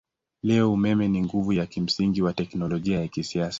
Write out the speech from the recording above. Leo hii umeme ni nguvu ya kimsingi wa teknolojia ya kisasa.